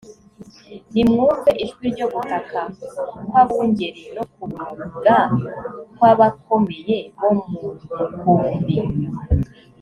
nimwumve ijwi ryo gutaka kw abungeri no kuboroga kw abakomeye bo mu mukumbi